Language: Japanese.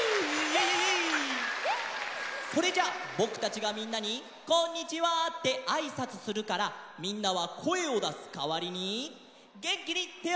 それじゃあぼくたちがみんなに「こんにちは」ってあいさつするからみんなはこえをだすかわりにげんきにてをふってね！